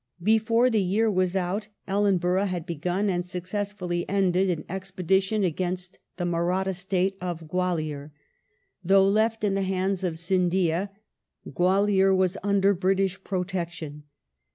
Expedi Before the year was out Ellenborough had begun and success tion to fully ended an expedition against the Marathd State of Gwalior. 1843 * Though left in the hands of Sindhia, Gwalior was under British protection.